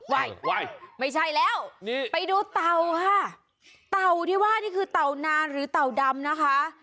วัยไม่ใช่แล้วนี่ไปดูเต่าค่ะเต่าที่ว่านี่คือเต่านานหรือเต่าดำนะคะ